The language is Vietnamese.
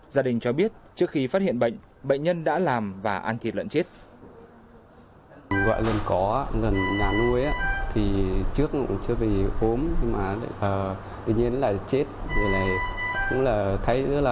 gia đình cho biết trước khi phát hiện bệnh bệnh nhân đã làm và ăn thịt lợn chết